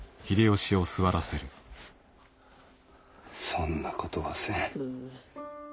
そんなことはせん。